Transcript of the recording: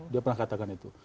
dia pernah katakan itu